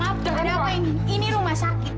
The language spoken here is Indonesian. maaf ada apa ini ini rumah sakit